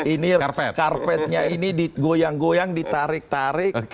ini karpetnya ini digoyang goyang ditarik tarik